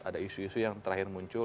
ada isu isu yang terakhir muncul